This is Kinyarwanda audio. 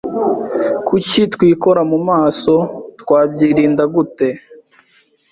Kuki twikora mu maso? Twabyirinda gute?